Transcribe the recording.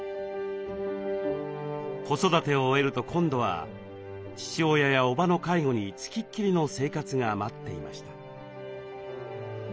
子育てを終えると今度は父親やおばの介護に付きっきりの生活が待っていました。